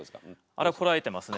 あれはこらえてますね。